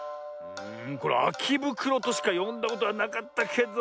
これ「あきぶくろ」としかよんだことはなかったけど。